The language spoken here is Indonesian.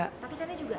pakai celana juga